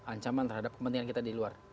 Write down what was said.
ancaman terhadap kepentingan kita di luar